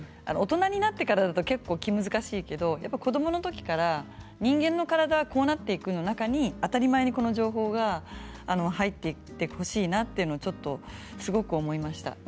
大人になってからだと結構、気難しいけど子どものときから人間の体はこうなっていくの中に、当たり前にこの情報が入っていってほしいなってすごく思いました。